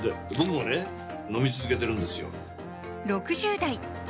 飲み続けてるんですよ